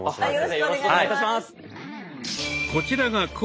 よろしくお願いします。